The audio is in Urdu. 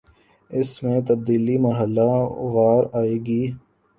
اس میں تبدیلی مرحلہ وار آئے گی